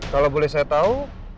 kalau boleh saya tahu